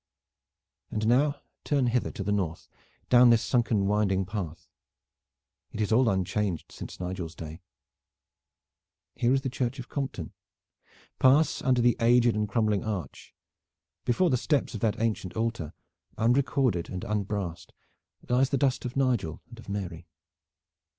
And now turn hither to the north, down this sunken winding path! It is all unchanged since Nigel's day. Here is the Church of Compton. Pass under the aged and crumbling arch. Before the steps of that ancient altar, unrecorded and unbrassed, lies the dust of Nigel and of Mary.